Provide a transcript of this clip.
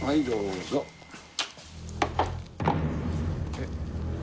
えっ。